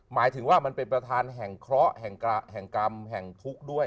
หมายถึงว่ามันเป็นประธานแห่งเคราะห์แห่งกรรมแห่งทุกข์ด้วย